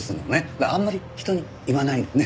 だからあんまり人に言わないでね。